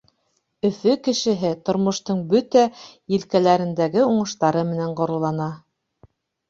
Өфө кешеһе тормоштоң бөтә елкәләрендәге уңыштары менән ғорурлана.